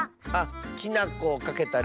きなこをかけたりとか。